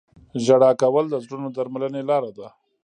• ژړا کول د زړونو د درملنې لاره ده.